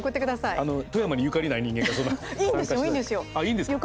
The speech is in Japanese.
富山に、ゆかりない人間がいいんですよ。